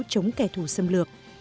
chống kẻ thù xâm lược